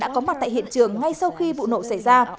cảnh sát và nhân viên có mặt tại hiện trường ngay sau khi vụ nộ xảy ra